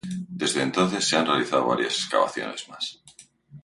Desde entonces se han realizado varias excavaciones más.